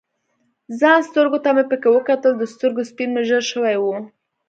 ځان سترګو ته مې پکې وکتل، د سترګو سپین مې ژړ شوي ول.